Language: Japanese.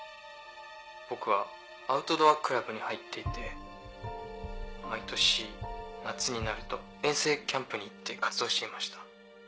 僕はアウトドアクラブに入っていて毎年夏になると遠征キャンプに行って活動していました。